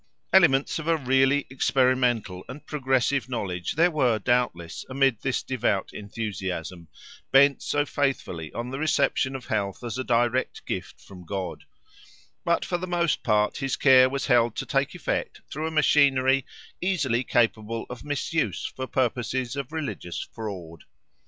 Elements of a really experimental and progressive knowledge there were doubtless amid this devout enthusiasm, bent so faithfully on the reception of health as a direct gift from God; but for the most part his care was held to take effect through a machinery easily capable of misuse for purposes of religious fraud.